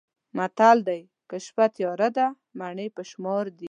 متل دی: که شپه تیاره ده مڼې په شمار دي.